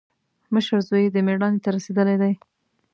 مشر زوی دې مېړانې ته رسېدلی دی.